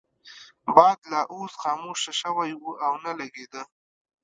باد لا اوس خاموشه شوی وو او نه لګیده.